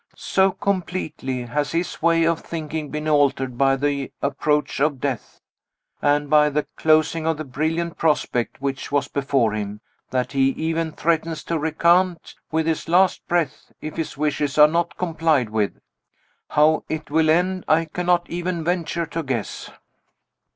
So completely has his way of thinking been altered by the approach of death, and by the closing of the brilliant prospect which was before him, that he even threatens to recant, with his last breath, if his wishes are not complied with. How it will end I cannot even venture to guess.